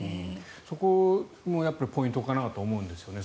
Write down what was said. そこもポイントかなと思うんですよね。